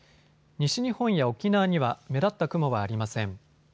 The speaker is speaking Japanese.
西日本や沖縄には目立った雲はありません。